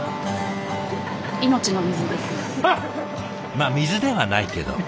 まあ水ではないけど。